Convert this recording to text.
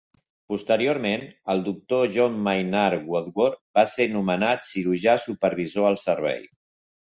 Posteriorment, el doctor John Maynard Woodworth va ser nomenat cirurgià supervisor al servei.